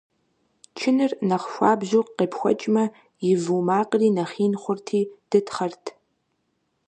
Чыныр нэхъ хуабжьу къепхуэкӀмэ, и вуу макъри нэхъ ин хъурти дытхъэрт.